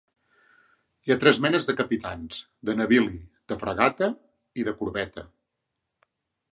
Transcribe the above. Hi ha tres menes de capitans: de navili, de fragata i de corbeta.